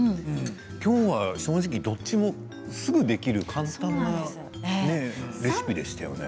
きょうは正直どっちもすぐできる簡単なレシピでしたよね。